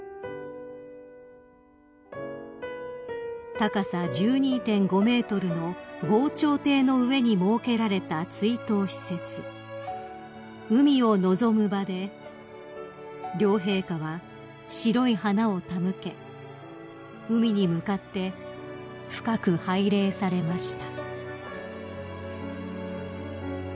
［高さ１２．５ｍの防潮堤の上に設けられた追悼施設海を望む場で両陛下は白い花を手向け海に向かって深く拝礼されました］